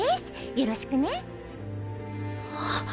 よろしくね。